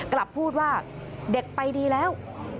กลับพูดว่าเด็กไปดีแล้ว